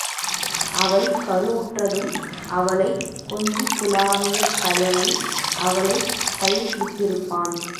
அவள் கருவுற்றதும், அவளைக் கொஞ்சிக்குலாவிய கயவன் அவளைக் கைவிட்டிருப்பான்.